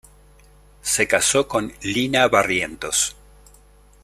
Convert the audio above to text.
Se casó con "Lina Barrientos".